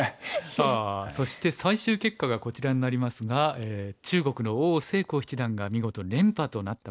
さあそして最終結果がこちらになりますが中国の王星昊七段が見事連覇となったわけですね。